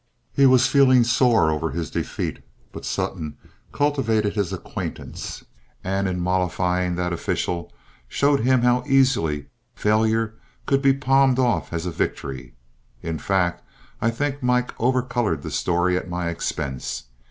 He was feeling sore over his defeat, but Sutton cultivated his acquaintance, and in mollifying that official, showed him how easily failure could be palmed off as a victory. In fact, I think Mike overcolored the story at my expense.